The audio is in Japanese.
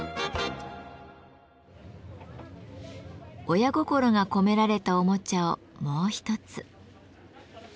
親心が込められたおもちゃをもう一つ。